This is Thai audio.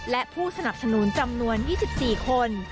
และผู้สนับสนุนจำนวน๒๔คน